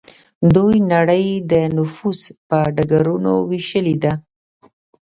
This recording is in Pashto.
دوی نړۍ د نفوذ په ډګرونو ویشلې ده